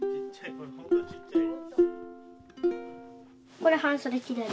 これ半袖着れる。